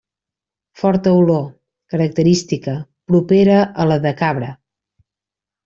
Forta olor, característica, propera a la de cabra.